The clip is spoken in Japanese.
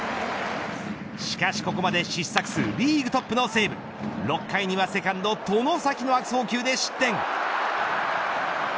しかしここまで失策数リーグトップの西武６回にはセカンド外崎の悪送球で失点。